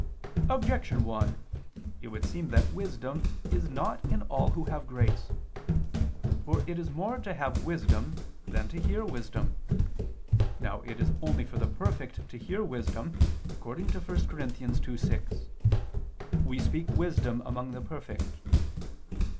Objection 1: It would seem that wisdom is not in all who have grace. For it is more to have wisdom than to hear wisdom. Now it is only for the perfect to hear wisdom, according to 1 Cor. 2:6: "We speak wisdom among the perfect."